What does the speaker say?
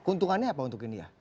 untungannya apa untuk india